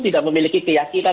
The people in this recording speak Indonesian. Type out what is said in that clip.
tidak memiliki keyakinan